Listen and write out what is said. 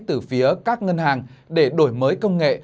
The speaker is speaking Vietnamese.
từ phía các ngân hàng để đổi mới công nghệ